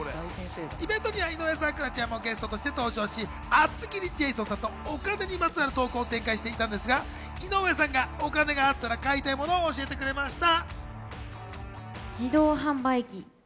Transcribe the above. イベントには井上咲楽ちゃんもゲストとして登場し、厚切りジェイソンさんとお金にまつわるトークを展開していたんですが、井上さんが、お金があったら買いたいものを教えてくれました。